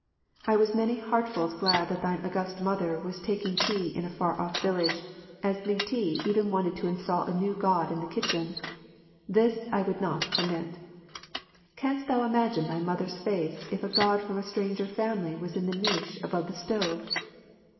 I was many heartfuls glad that thine August Mother was taking tea in a far off village, as Li ti even wanted to install a new God in the kitchen. This I would not permit. Canst thou imagine thy Mother's face if a God from a stranger family was in the niche above the stove?